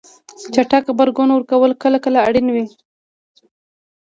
چټک غبرګون ورکول کله کله اړین وي.